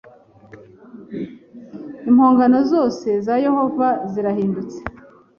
Impongano zose za Yehova zarahindutse